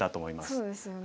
そうですよね。